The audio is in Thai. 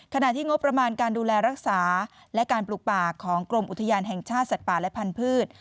ที่งบประมาณการดูแลรักษาและการปลูกป่าของกรมอุทยานแห่งชาติสัตว์ป่าและพันธุ์